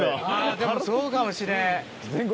でもそうかもしれん。